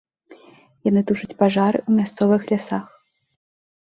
Яны тушаць пажары ў мясцовых лясах.